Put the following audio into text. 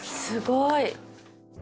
すごい。